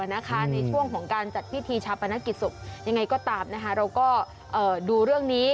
ในช่วงของการจัดพิธีชาปนกิจศพยังไงก็ตามเราก็ดูเรื่องนี้